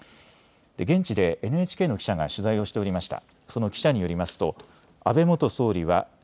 現地でＮＨＫの記者が取材をしておりました。